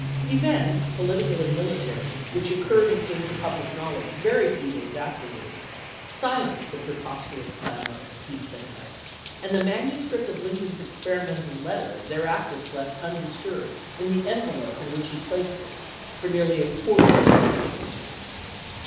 Events, political ms. * and military, which occurred and came to public knowledge very few days afterwards, silenced the preposterous clamor of " peace " fanatics ; and the manuscript of Lincoln's experimental letter there after slept undisturbed, in the envelope in which he placed it, for nearly a quarter of a century.